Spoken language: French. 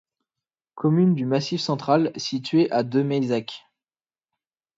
Commune du Massif central située à de Meyssac.